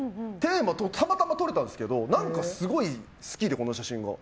たまたま撮れたんですけど何かすごい好きで、この写真が。